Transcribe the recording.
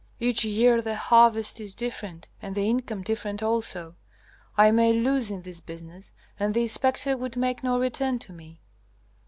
Each year the harvest is different, and the income different also. I may lose in this business, and the inspector would make no return to me."